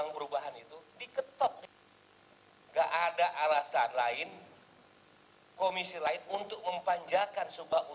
perubahan dua ribu enam belas dipanjakan